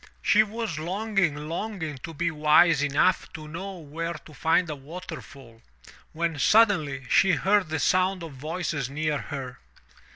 She was longing, longing to be wise enough to know where to find a waterfall, when suddenly she heard the sound of voices near her.